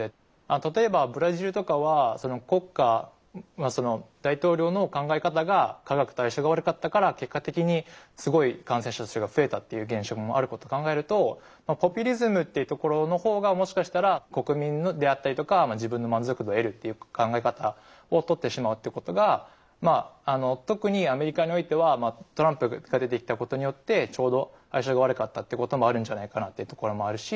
例えばブラジルとかはその国家大統領の考え方が科学と相性が悪かったから結果的にすごい感染者数が増えたっていう現象もあることを考えるとポピュリズムっていうところの方がもしかしたら国民であったりとか自分の満足度を得るっていう考え方をとってしまうっていうことがまあ特にアメリカにおいてはトランプが出てきたことによってちょうど相性が悪かったっていうこともあるんじゃないかなっていうところもあるし。